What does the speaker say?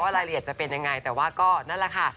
รายละเอียดจะเป็นยังไงแต่ว่าก็นั่นแหละค่ะ